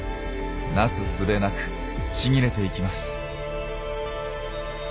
なすすべなくちぎれていきます。